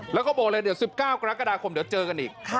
แล้วก็บอกเลยเดี๋ยว๑๙กรกฎาคมเดี๋ยวเจอกันอีก